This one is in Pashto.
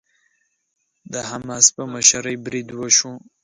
د حماس په مشرۍ بريد وشو.